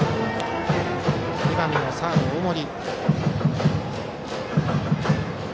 ２番のサード、大森。